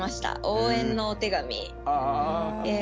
応援のお手紙。